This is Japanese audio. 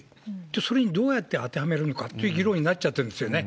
それにどうやって当てはめるのかっていう議論になっちゃってるんですよね。